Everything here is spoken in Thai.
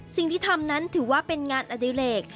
สิ่งที่ทำนั้นถือว่าเป็นงานอดิเลก